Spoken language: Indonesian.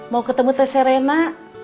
mau ketemu tess serena